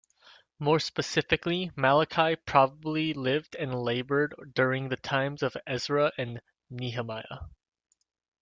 More specifically, Malachi probably lived and labored during the times of Ezra and Nehemiah.